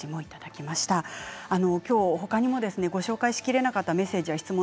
きょう、ほかにもご紹介しきれなかったメッセージや質問